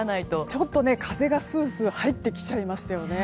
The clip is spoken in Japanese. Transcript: ちょっと風がスースー入ってきちゃいますよね。